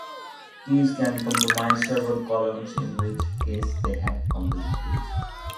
Keys can comprise several columns, in which case they are composite keys.